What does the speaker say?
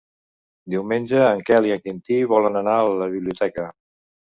Diumenge en Quel i en Quintí volen anar a la biblioteca.